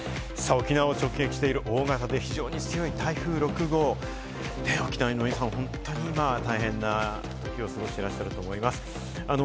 沖縄を直撃している大型で非常に強い台風６号、沖縄は今、本当に大変な思いをされていらっしゃると思います。